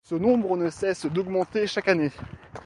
Ce nombre ne cesse d'augmenter chaque année.